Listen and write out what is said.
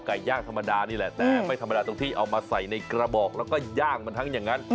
ย่างธรรมดานี่แหละแต่ไม่ธรรมดาตรงที่เอามาใส่ในกระบอกแล้วก็ย่างมันทั้งอย่างนั้น